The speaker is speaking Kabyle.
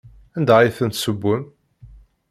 Anda ay tent-tessewwem?